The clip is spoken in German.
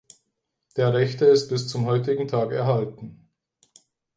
Der rechte ist bis zum heutigen Tag erhalten.